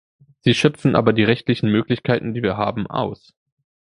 Sie schöpfen aber die rechtlichen Möglichkeiten, die wir haben, aus.